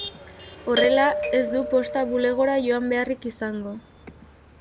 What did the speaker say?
Horrela, ez du posta-bulegora joan beharrik izango.